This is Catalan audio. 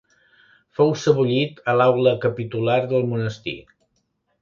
Fou sebollit a l'aula capitular del monestir.